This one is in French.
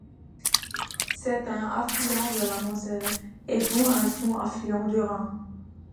C'est un affluent de la Moselle et donc un sous-affluent du Rhin.